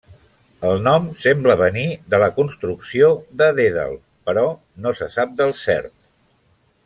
El nom sembla venir de la construcció de Dèdal, però no se sap del cert.